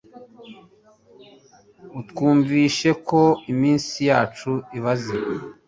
Utwumvishe ko iminsi yacu ibaze